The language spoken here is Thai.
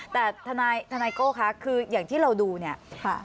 แต่ทนายโก้คะคืออย่างที่เราดูเนี่ย